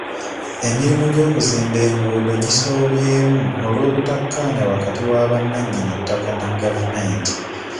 Emirimu gy'okuzimba enguudo gisoobyemu olw'obutakkaanya wakati wa bannannyini ttaka ne gavumenti.